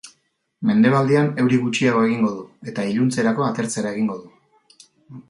Mendebaldean euri gutxiago egingo du, eta iluntzerako atertzera egingo du.